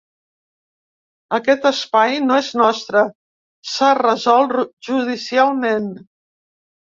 Aquest espai no és nostre, s’ha resolt judicialment.